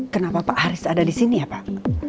kenapa pak haris ada disini ya pak